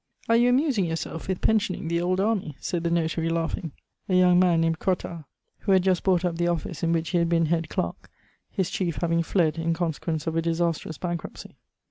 "Are you amusing yourself with pensioning the old army?" said the notary, laughing a young man named Crottat, who had just bought up the office in which he had been head clerk, his chief having fled in consequence of a disastrous bankruptcy.